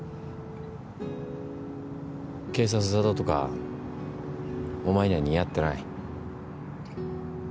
警察沙汰とかお前には似合ってない。